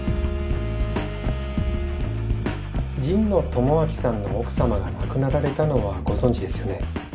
神野智明さんの奥様が亡くなられたのはご存じですよね。